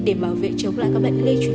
để bảo vệ chống lại các bệnh lây truyền